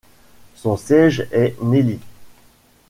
Son siège est Neligh.